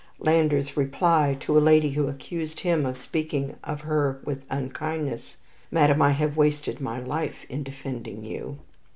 Landor's reply to a lady who accused him of speaking of her with unkindness, "Madame, I have wasted my life in defending you!"